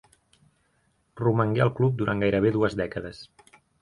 Romangué al club durant gairebé dues dècades.